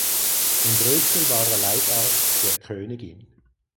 In Brüssel war er Leibarzt der Königin.